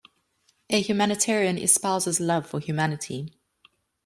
A humanitarian espouses love for humanity.